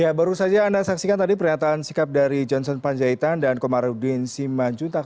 ya baru saja anda saksikan tadi pernyataan sikap dari johnson panjaitan dan komarudin simanjuntak